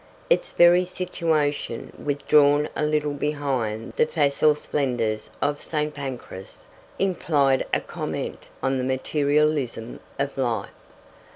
Its very situation withdrawn a little behind the facile splendours of St. Pancras implied a comment on the materialism of life.